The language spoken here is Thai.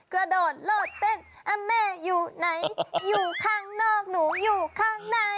กระโดดโลดเต้นแม่อยู่ไหนอยู่ข้างนอกหนูอยู่ข้างใน